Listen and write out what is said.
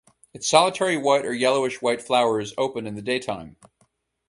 Its solitary white or yellowish white flowers open in the daytime.